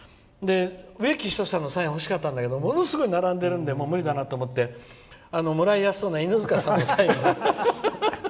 植木等さんのサインが欲しかったんだけどものすごい並んでるんで無理だなと思ってもらいやすそうな犬塚さんにサインをもらって。